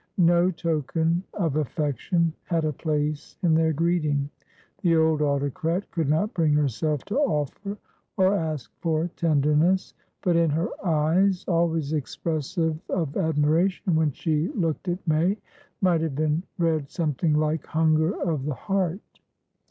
No token of affection had a place in their greeting. The old autocrat could not bring herself to offer, or ask for, tenderness; but in her eyes, always expressive of admiration when she looked at May, might have been read something like hunger of the heart.